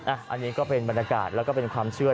อันนี้ก็เป็นบรรยากาศแล้วก็เป็นความเชื่อ